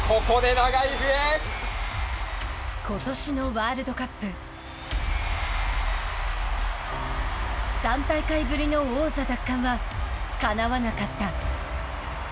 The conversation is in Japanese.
ことしのワールドカップ、３大会ぶりの王座奪還はかなわなかった。